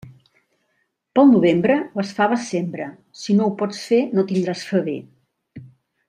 Pel novembre, les faves sembra; si no ho pots fer, no tindràs faver.